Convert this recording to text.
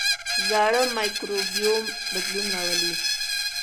زاړه مایکروبیوم بدلون راولي.